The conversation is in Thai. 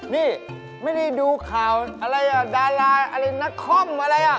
นี่ไม่ได้ดูข่าวอะไรอ่ะดาราอะไรนักคอมอะไรอ่ะ